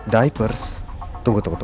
diapers tunggu tunggu